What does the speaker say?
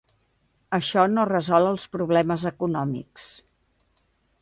Això no resol els problemes econòmics.